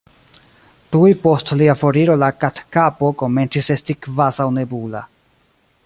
Tuj post lia foriro la Katkapo komencis esti kvazaŭ nebula.